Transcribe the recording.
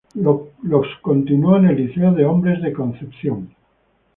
Los continuó en el Liceo de Hombres de Concepción.